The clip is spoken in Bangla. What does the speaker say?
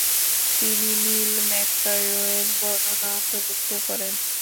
তিনি নীল ম্যাকাওয়ের বর্ণনা অন্তর্ভুক্ত করেন।